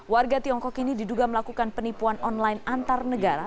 warga tiongkok ini diduga melakukan penipuan online antar negara